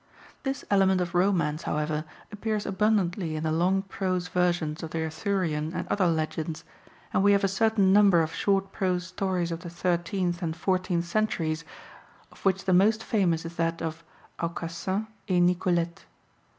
This element of romance, however, appears abundantly in the long prose versions of the Arthurian and other legends, and we have a certain number of short prose stories of the thirteenth and fourteenth centuries, of which the most famous is that of Aucassin et Nicolette.